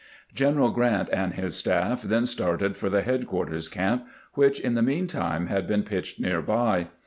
G eneral Grant and his staff then started for the head quarters camp, which, in the mean time, had been pitched near by.